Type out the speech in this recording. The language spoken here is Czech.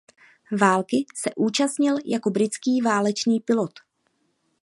Války se účastnil jako britský válečný pilot.